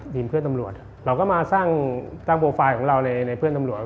ที่พี่สำรวจเราก็มาสร้างตรงโปรไฟล์ฝ์ของเราในเพื่อนสำรวจ